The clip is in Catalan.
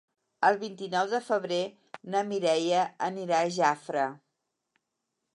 El vint-i-nou de febrer na Mireia anirà a Jafre.